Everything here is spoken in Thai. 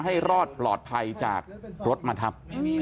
ให้รอดปลอดภัยจากรถมาทับ